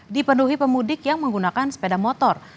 dipenuhi pemudik yang menggunakan sepeda motor